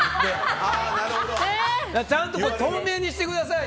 ちゃんと透明にしてください。